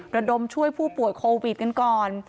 ระดมช่วยผู้ป่วยโควิดกันก่อน